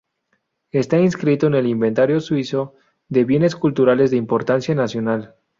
Está inscrito en el inventario suizo de bienes culturales de importancia nacional.